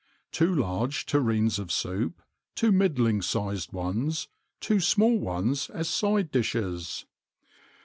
TWO LARGE TERRINES OF SOUP. TWO MIDDLING SIZED ONES. TWO SMALL ONES AS SIDE DISHES.